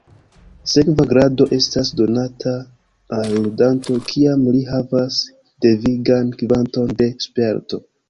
Sekva grado estas donata al ludanto kiam li havas devigan kvanton de "sperto".